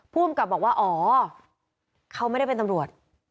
ภูมิกับบอกว่าอ๋อเขาไม่ได้เป็นตำรวจ